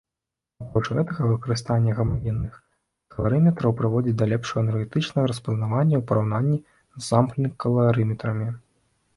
Апроч гэтага, выкарыстанне гамагенных каларыметраў прыводзіць да лепшага энергетычнага распазнавання ў параўнанні з самплінг-каларыметрамі.